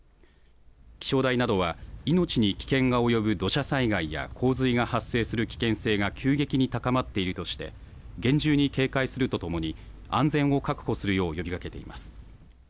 気象台などは、命に危険が及ぶ土砂災害や洪水が発生する危険性が急激に高まっているとして、厳重に警戒するとともに、安全を確保するよう呼びかけています。